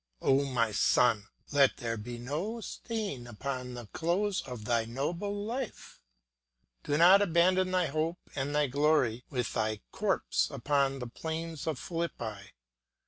O my son! let there be no stain upon the close of thy noble life; do not abandon thy hope and thy glory with thy corpse upon the plains of Philippi.